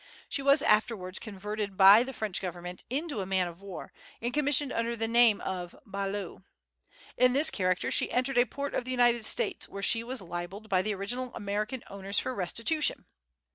She was afterwards converted by the French government into a man of war, and commissioned under the name of the "Balaou." In this character she entered a port of the United States, where she was libelled by the original American owners for restitution.